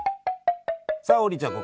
さあ王林ちゃん